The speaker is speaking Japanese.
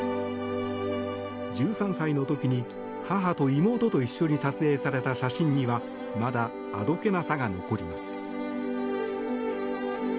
１３歳の時に母と妹と一緒に撮影された写真にはまだあどけなさが残ります。